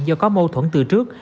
do có mâu thuẫn từ trước